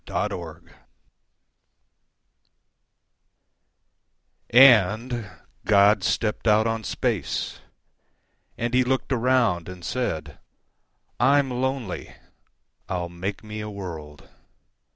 The Creation AND God stepped out on space, And He looked around and said,"I'm lonely—I'll make me a world."